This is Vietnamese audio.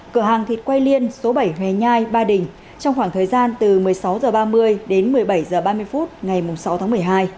cửa hàng thịt quay liên số bảy hòe nhai ba đình trong khoảng thời gian từ một mươi sáu h ba mươi đến một mươi bảy h ba mươi phút ngày sáu tháng một mươi hai